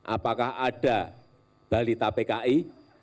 apakah ada balita pki